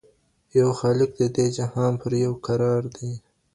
یو خالق د دې جهان پر یو قرار دی.